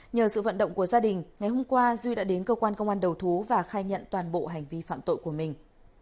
nhờ sự vận động của gia đình ngày hôm qua duy đã đến cơ quan công an đầu thú và khai nhận toàn bộ hành vi phạm tội của mình